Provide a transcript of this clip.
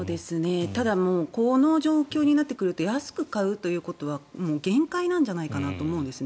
ただこの状況になってくると安く買うということは限界なんじゃないかなと思うんですよね。